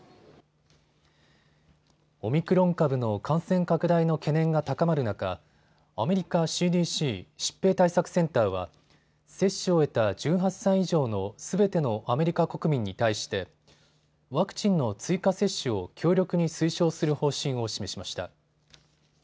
オミクロン株の感染拡大の懸念が高まる中、アメリカＣＤＣ・疾病対策センターは接種を終えた１８歳以上のすべてのアメリカ国民に対してワクチンの追加接種を強力に推奨する方針を示しました。